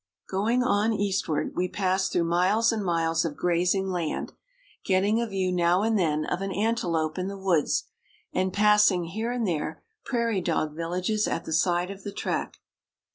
Going on eastward, we pass through miles and miles of grazing land, getting a view now and then of an antelope in the woods, and passing, here and there, prairie dog vil lages at the side of the track.